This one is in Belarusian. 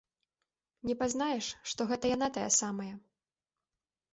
Не пазнаеш, што гэта яна тая самая.